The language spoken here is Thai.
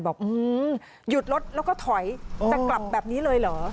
บอกหยุดรถแล้วก็ถอยจะกลับแบบนี้เลยเหรอ